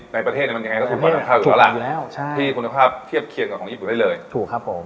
สมมุติคุณภาพเทียบเคียงของญี่ปุ่นได้เลย